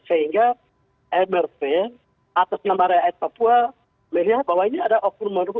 sehingga mrp atas nama rakyat papua melihat bahwa ini ada okun okun dalam tanda kutip